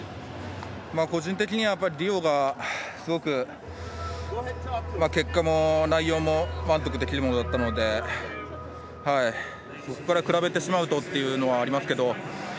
個人的にはリオがすごく結果も内容も満足できるものだったのでそこから比べてしまうとというのはありますけど。